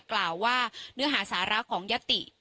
กล่าวว่าเนื้อหาสาระของยติ